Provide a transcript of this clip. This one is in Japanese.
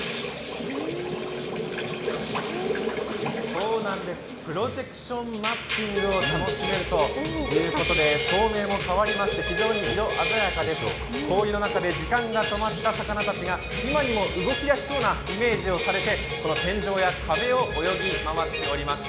そうなんです、プロジェクションマッピングを楽しめるということで照明も変わりまして、非常に色鮮やかで氷の中で時間が止まった魚たちが今にも動き出そうなイメージをさせて、天井や壁を泳ぎ回っています。